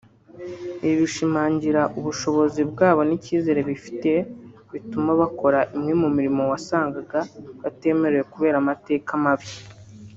Ibi bishimangira ubushobozi bwabo n’icyizere bifitiye bituma bakora imwe mu mirimo wasangaga batemerewe kubera amateka mabi